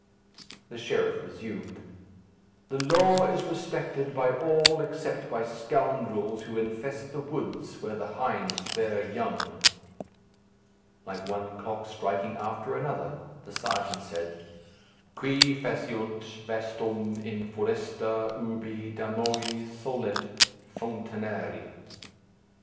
The sheriff resumed. "The law is respected by all except by scoundrels who infest the woods where the hinds bear young." Like one clock striking after another, the serjeant said, "Qui faciunt vastum in foresta ubi damoe solent founinare."